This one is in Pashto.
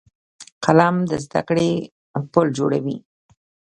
قلم د زده کړې پل جوړوي